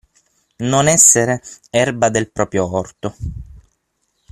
Non essere erba del proprio orto.